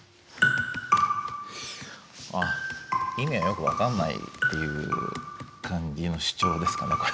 あっ意味はよく分かんないっていう感じの主張ですかねこれ。